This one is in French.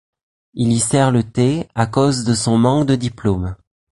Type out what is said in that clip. Il y sert le thé, à cause de son manque de diplômes.